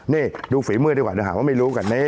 นี่ดูฝีมือดีกว่าเดี๋ยวหาว่าไม่รู้กันนี่